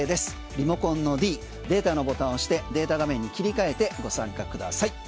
リモコンのｄデータのボタン押してデータ画面に切り替えてご参加ください。